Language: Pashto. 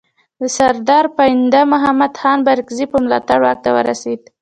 د سردار پاینده محمد خان بارکزي په ملاتړ واک ته ورسېد.